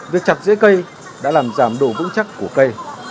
việc chặt dễ cây đã làm giảm độ vũng chắc của cây